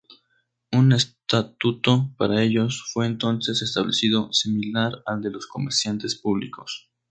Un estatuto para ellos fue entonces establecido, similar al de los comerciantes públicos.